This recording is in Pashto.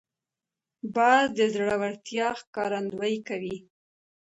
باز د زړورتیا ښکارندویي کوي